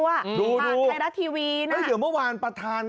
ดูงาคาไครรัชทีวีน่ะใช่อย่างเมื่อวาน